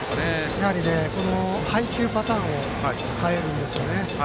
やはり、配球パターンを変えるんですよね。